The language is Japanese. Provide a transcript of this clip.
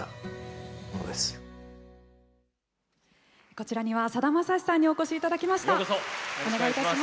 こちらにはさだまさしさんにお越しいただきました。